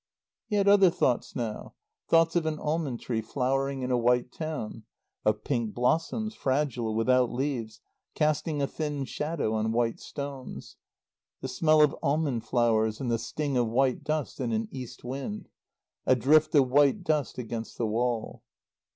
He had other thoughts now. Thoughts of an almond tree flowering in a white town; of pink blossoms, fragile, without leaves, casting a thin shadow on white stones; the smell of almond flowers and the sting of white dust in an east wind; a drift of white dust against the wall.